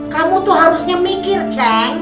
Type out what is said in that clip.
kamu tuh harusnya mikir jang